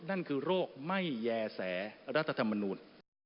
นั่นคือโรคไม่แย่แสรัฐธรรมนูล